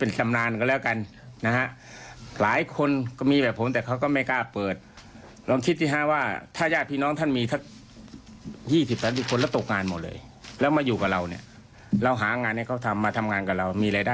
เอาไปลองฟังเสียงดูก่อนดีกว่า